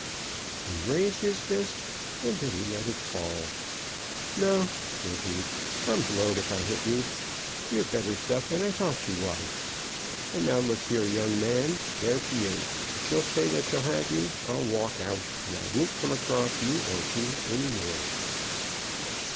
He raised his fist, and then he let it fall. "No," said he; "I'm blowed if I'll hit you. You're better stuff than I thought you was. And now look here, young man; there she is. If she'll say that she'll have you, I'll walk out, and I won't come across you or she any more."